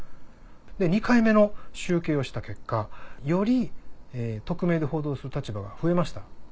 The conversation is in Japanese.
２回目の集計をした結果より匿名で報道する立場が増えました。